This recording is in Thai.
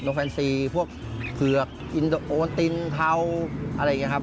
แฟนซีพวกเผือกอินโอนตินเทาอะไรอย่างนี้ครับ